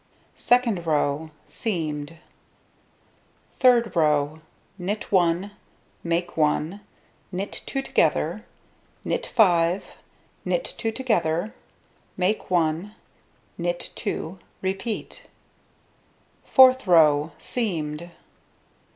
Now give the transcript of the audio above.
Second row: Seamed. Third row: Knit 1, make 1, knit 2 together, knit 5, knit 2 together, make 1, knit 2, repeat. Fourth row: Seamed.